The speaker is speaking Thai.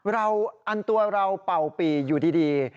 อันตัวเราเป่าปีอยู่ดี